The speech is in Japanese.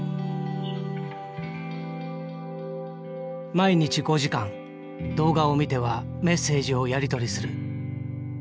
毎日５時間動画を見てはメッセージをやり取りする。